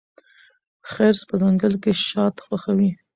خرس په ځنګل کې شات خوښوي.